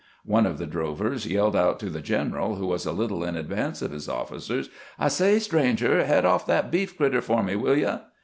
One of the drovers yelled out to the general, who was a little in advance of his officers :" I say, stranger, head off that beef critter for me, will you?"